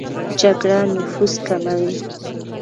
جګړه نفوس کموي